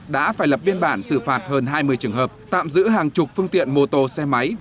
đã phải lập biên bản xử phạt hơn hai mươi trường hợp tạm giữ hàng chục phương tiện mô tô xe máy